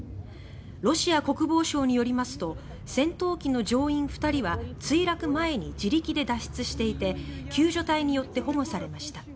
ロシア国防省によりますと戦闘機の乗員２人は墜落前に自力で脱出していて救助隊によって保護されました。